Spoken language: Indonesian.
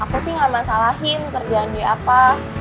aku sih nggak masalahin kerjaan dia apa